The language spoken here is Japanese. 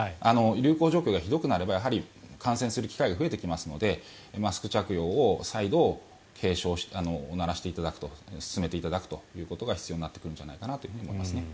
流行状況がひどくなれば感染する機会が増えてきますのでマスク着用を再度、警鐘を鳴らしていただく進めていただくということが必要になってくるんじゃないかと思いますね。